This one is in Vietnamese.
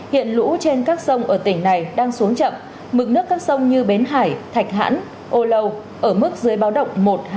hiện lũ trên các sông ở tỉnh này đang xuống chậm mực nước các sông như bến hải thạch hãn âu lâu ở mức dưới báo động một hai